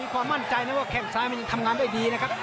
ความมั่นใจแข่งซ้ายทำงานได้ดีนะครับ